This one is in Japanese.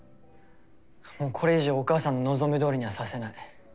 もうこれ以上お母さんの望みどおりにはさせない。